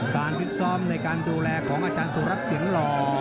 ฟิศซ้อมในการดูแลของอาจารย์สุรัสตเสียงหล่อ